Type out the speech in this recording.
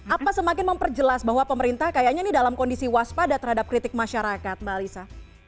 apa semakin memperjelas bahwa pemerintah kayaknya ini dalam kondisi waspada terhadap kritik masyarakat mbak alisa